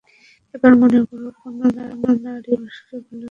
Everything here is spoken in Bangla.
এবার মনে করো কোন নারী কোন পুরুষকে ভালবাসিতেছে।